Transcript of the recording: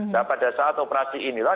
nah pada saat operasi inilah